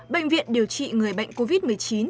bệnh viện điều trị người bệnh covid một mươi chín